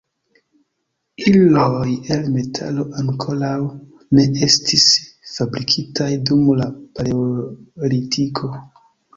Iloj el metalo ankoraŭ ne estis fabrikitaj dum la paleolitiko.